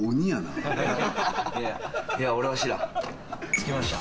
着きました。